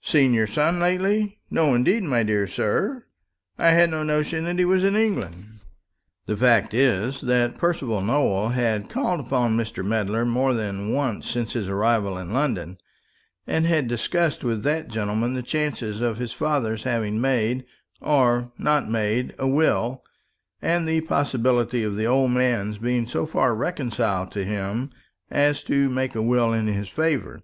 "Seen your son lately? No; indeed, my dear sir, I had no notion that he was in England." The fact is, that Percival Nowell had called upon Mr. Medler more than once since his arrival in London; and had discussed with that gentleman the chances of his father's having made, or not made, a will, and the possibility of the old man's being so far reconciled to him as to make a will in his favour.